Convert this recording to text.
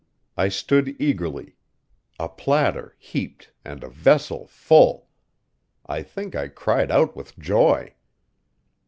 I stood eagerly; a platter, heaped, and a vessel, full! I think I cried out with joy.